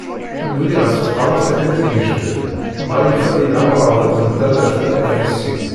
Yuli ɣer tqeṛṛabt akken ad yejdeb, dɣa yufa dinna amṛabeḍ n taddart n At Ɛisi.